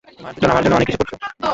তোমরা দুজন আমার জন্য অনেক কিছু করেছো।